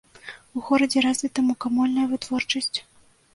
У горадзе развіта мукамольная вытворчасць.